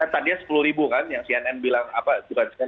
tadi sepuluh ribu kan yang cnn bilang